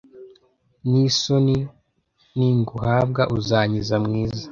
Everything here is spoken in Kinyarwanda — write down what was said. n'isoni, ninguhabwa uzankiza. mwiza